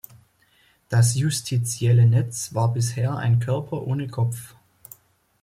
Das justizielle Netz war bisher ein Körper ohne Kopf.